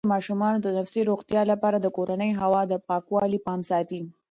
مور د ماشومانو د تنفسي روغتیا لپاره د کورني هوا د پاکوالي پام ساتي.